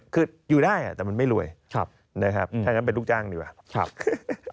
คืออยู่ได้แต่มันไม่รวยนะครับถ้างั้นเป็นลูกจ้างดีกว่า